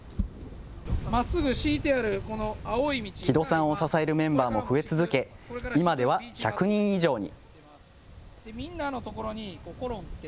木戸さんを支えるメンバーも増え続け、今では１００人以上に。